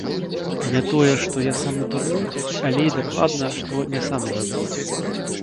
Не тое, што я самы дурны, але і дакладна, што не самы разумны.